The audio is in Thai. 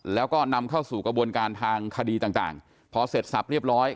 แล้วก็นำเข้าสู่กระบวนการทางคดีต่างพอเสร็จสับเรียบร้อย